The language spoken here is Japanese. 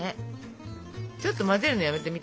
ちょっと混ぜるのやめてみて。